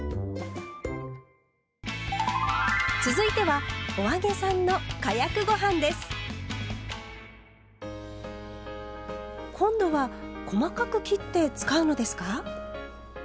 続いては今度は細かく切って使うのですか？